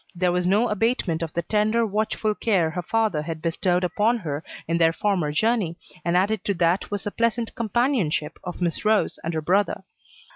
There was no abatement of the tender, watchful care her father had bestowed upon her in their former journey, and added to that was the pleasant companionship of Miss Rose and her brother.